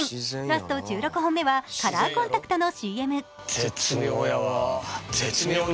ラスト１６本目はカラーコンタクトのＣＭ。